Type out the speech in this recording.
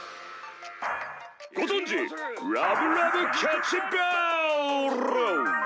ご存じラブラブキャッチボール！